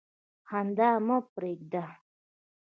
خندا مه پرېږده.